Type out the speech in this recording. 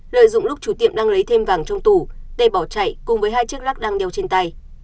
lợi dụng lúc chủ tiệm đang lấy thêm vàng trong tủ tê bỏ chạy cùng với hai chiếc lắc đang đeo trên tay